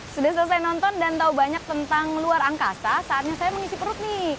sudah selesai nonton dan tahu banyak tentang luar angkasa saatnya saya mengisi perut nih